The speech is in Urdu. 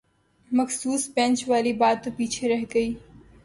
مخصوص بینچ والی بات تو پیچھے رہ گئی